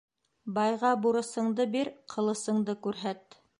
Байға бурысыңды бир, ҡылысыңды күрһәт.